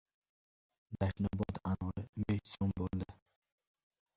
Dashnobod anori besh so‘m bo‘ldi.